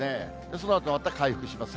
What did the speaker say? そのあとまた回復します。